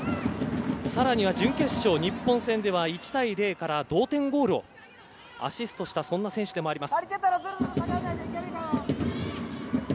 更には、準決勝日本戦では１対０から同点ゴールをアシストした選手でもあります。